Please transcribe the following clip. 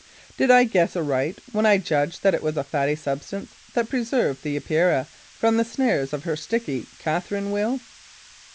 Did I guess aright when I judged that it was a fatty substance that preserved the Epeira from the snares of her sticky Catherine wheel?